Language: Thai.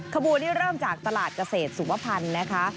ขบวนนี้เริ่มจากตลาดเกษตรสุวพันธ์นะคะ